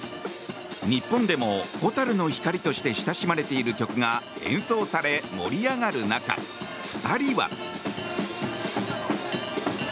日本でも「蛍の光」として親しまれている曲が演奏され盛り上がる中、２人は。